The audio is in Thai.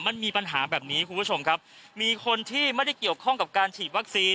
มันมีปัญหาแบบนี้คุณผู้ชมครับมีคนที่ไม่ได้เกี่ยวข้องกับการฉีดวัคซีน